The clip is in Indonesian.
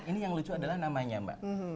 ini yang lucu adalah namanya mbak